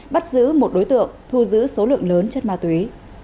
bắt giữ một đối tượng thu giữ số lượng lớn chất ma túy